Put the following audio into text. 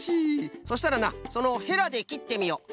そしたらなそのヘラできってみよ！